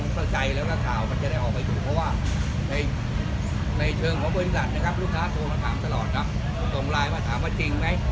ก็จะได้ออกไปอยู่เพราะว่าในเชิงของบริษัทนะครับลูกค้าโทรมาถามตลอดนะผมต้องไลน์มาถามว่าจริงไหม